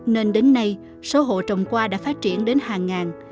nên đến nay số hộ trồng qua đã phát triển đến hàng ngàn